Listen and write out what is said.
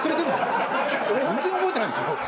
全然覚えてないんですよ。